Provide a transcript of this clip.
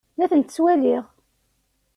La tent-ttwaliɣ.